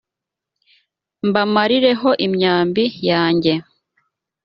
mbamarireho imyambi yanjye.